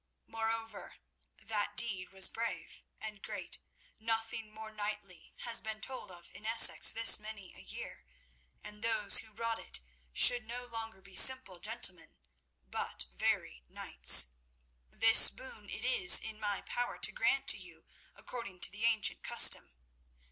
Moreover, that deed was brave and great; nothing more knightly has been told of in Essex this many a year, and those who wrought it should no longer be simple gentlemen, but very knights. This boon it is in my power to grant to you according to the ancient custom.